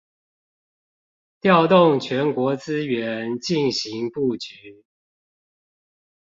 調動全國資源進行布局